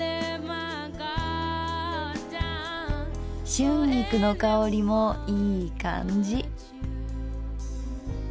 春菊の香りもいい感じ。